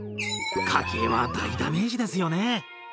家計は大ダメージですよね。